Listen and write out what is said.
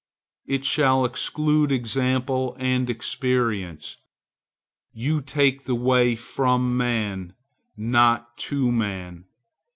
It shall exclude example and experience. You take the way from man, not to man.